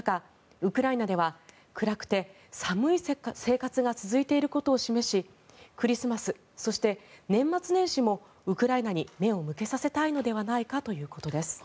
ウクライナでは暗くて寒い生活が続いていることを示しクリスマス、そして年末年始もウクライナに目を向けさせたいのではないかということです。